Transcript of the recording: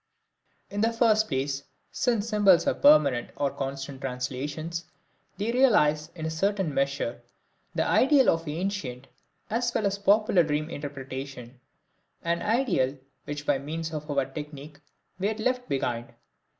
In the first place, since symbols are permanent or constant translations, they realize, in a certain measure, the ideal of ancient as well as popular dream interpretation, an ideal which by means of our technique we had left behind.